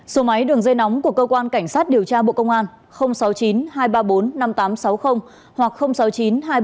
số máy đường dây nóng của cơ quan cảnh sát điều tra bộ công an sáu mươi chín hai trăm ba mươi bốn năm nghìn tám trăm sáu mươi hoặc sáu mươi chín hai trăm ba mươi hai một nghìn sáu trăm sáu mươi bảy